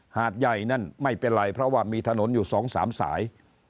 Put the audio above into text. หาดใยนั้นไม่เป็นไรเพราะว่ามีถนนอยู่สองสามสาย